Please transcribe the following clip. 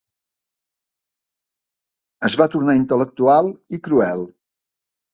Es va tornar intel·lectual i cruel.